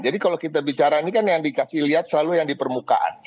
jadi kalau kita bicara ini kan yang dikasih lihat selalu yang di permukaan